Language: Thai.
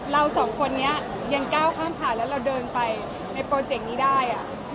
เราสองคนนี้ยังก้าวข้ามผ่านแล้วเราเดินไปในโปรเจกต์นี้ได้